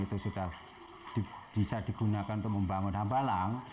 dan itu sudah bisa digunakan untuk membangun hambalang